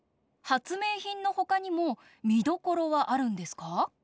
はつめいひんのほかにもみどころはあるんですか？